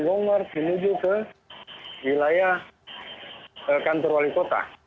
dengan lombar dimudul ke wilayah kantor wali kota